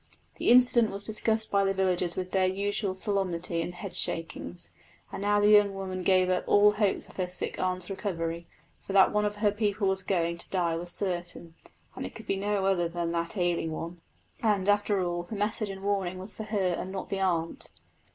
The incident was discussed by the villagers with their usual solemnity and head shakings, and now the young woman gave up all hopes of her sick aunt's recovery; for that one of her people was going to die was certain, and it could be no other than that ailing one. And, after all, the message and warning was for her and not the aunt.